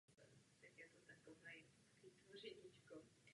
Ve stejném roce se objevila ve filmu "Cell".